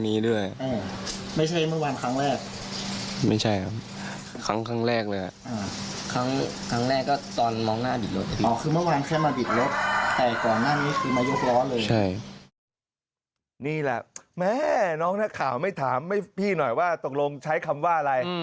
นี่แหละแม่น้องนักข่าวไม่ถามพี่หน่อยว่าตกลงใช้คำว่าอะไร